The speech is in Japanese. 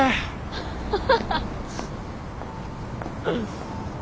ハハハッ。